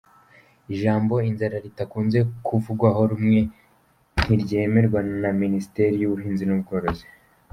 Ijambo inzara ritakunze kuvugwaho rumwe, ntiryemerwa na Minisiteri y’Ubuhinzi n’Ubworozi.